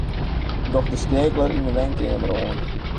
Doch de skeakeler yn 'e wenkeamer oan.